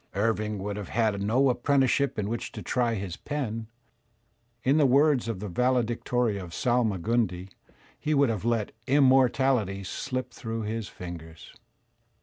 Irving would have had no apprenticeship in which to try his pen; in the words of the valedictory of Salmagundi, he would have let "immor taUty slip through his fingers."